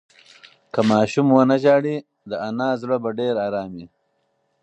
که ماشوم ونه ژاړي، د انا زړه به ډېر ارام وي.